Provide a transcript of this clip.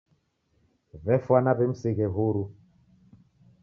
W'efwana w'imsighe huru.